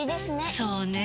そうねぇ。